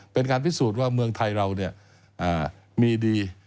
เป็นการพิสูจน์ว่าเมืองไทยเรามีดี